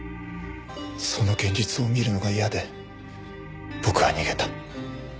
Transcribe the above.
その現実を見るのが嫌で僕は逃げた。